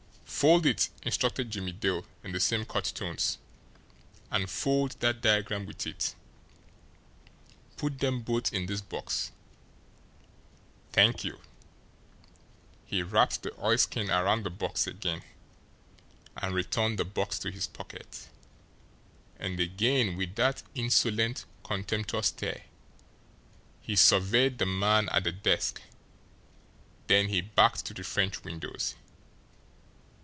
"Fold it!" instructed Jimmie Dale, in the same curt tones. "And fold that diagram with it. Put them both in this box. Thank you!" He wrapped the oilskin around the box again, and returned the box to his pocket. And again with that insolent, contemptuous stare, he surveyed the man at the desk then he backed to the French windows.